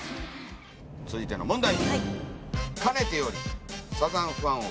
続いての問題。